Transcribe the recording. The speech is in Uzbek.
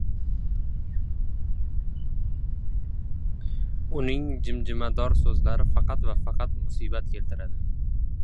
uning jimjimador so‘zlari faqat va faqat musibat keltiradi.